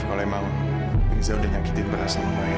kalau emang riza udah nyakitin beras sama saya